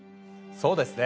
そうですね。